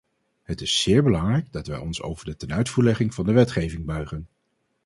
Het is zeer belangrijk dat wij ons over de tenuitvoerlegging van de wetgeving buigen.